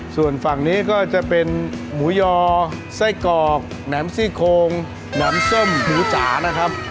ส่วนฝั่งนี้ก็จะเป็นหมูยอไส้กรอกแหนมซี่โคงแหนมส้มหมูจ๋านะครับ